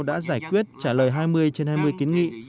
đã giải quyết trả lời hai mươi trên hai mươi kiến nghị